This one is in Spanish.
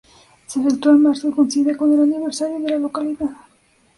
Se efectúa en marzo y coincide con el aniversario de la localidad.